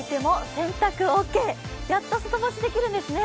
やっと外干しできるんですね。